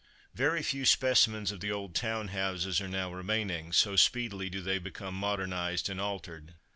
Very few specimens of the old town houses are now remaining, so speedily do they become modernized and altered.